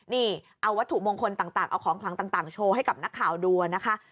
นี่เอาวัตถุมงคลต่างเอาของคลังต่างโชว์ให้กับนักข่าวดูนะคะ